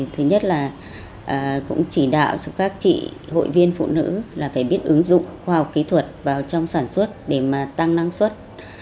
thứ nhất là cũng chỉ đạo cho các chị hội viên phụ nữ là phải biết ứng dụng khoa học kỹ thuật vào trong sản xuất để mà tăng năng suất